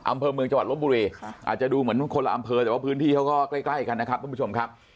อำเภอเมืองจักรวรรดิโรบุเรอาจจะดูเหมือนคนละอำเภอแต่ว่าผู้ที่เขาก็ใกล้อีกคันนะครับทุกผู้ทางผู้ชมครับ